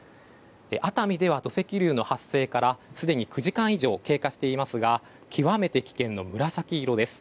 熱海では土石流の発生からすでに９時間以上経過していますが極めて危険の紫色です。